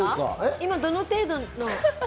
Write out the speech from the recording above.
今、どの程度の？